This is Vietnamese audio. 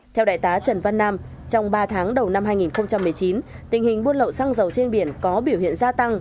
theo đại tá trần văn nam trong ba tháng đầu năm hai nghìn một mươi chín tình hình buôn lậu xăng dầu trên biển có biểu hiện gia tăng